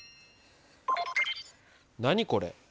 何これ？